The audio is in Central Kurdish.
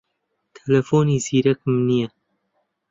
تەلەفۆنی زیرەکم نییە.